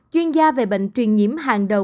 chuyên gia về bệnh truyền nhiễm hàng đầu